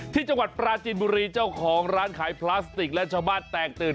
ที่จังหวัดปราจินบุรีเจ้าของร้านขายพลาสติกและชาวบ้านแตกตื่น